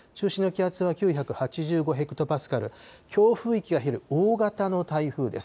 中心の気圧は９８５ヘクトパスカル、強風域が大型の台風です。